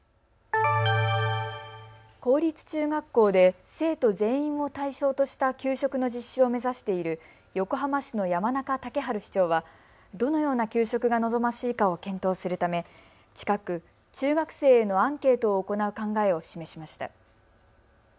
公立中学校で生徒全員を対象とした給食の実施を目指している横浜市の山中竹春市長はどのような給食が望ましいかを検討するため近く、中学生へのアンケートを行う考えを示しました。